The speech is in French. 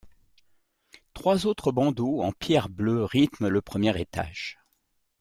Trois autres bandeaux en pierre bleue rythment le premier étage.